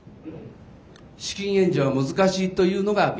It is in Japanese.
資金援助は難しいというのが現実です。